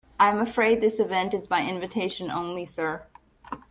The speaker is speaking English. I'm afraid this event is by invitation only, sir.